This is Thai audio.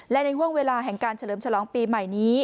และในห่วงเวลาแห่งการเฉลิมฉลองปีใหม่นี้